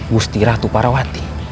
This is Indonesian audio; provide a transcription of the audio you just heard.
wusti ratu parawati